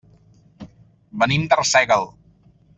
Venim d'Arsèguel.